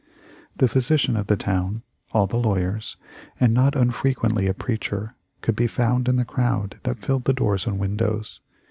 The physician of the town, all the lawyers, and not unfrequently a preacher could be found in the crowd that filled the doors and windows.